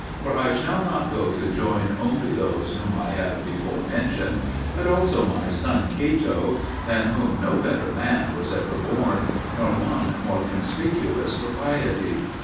For I shall not go to join only those whom I have before mentioned, but also my son Cato, than whom no better man was ever born, nor one more conspicuous for piety.